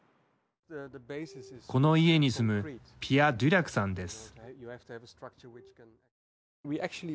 この家に住むピア・デュリャクさんです。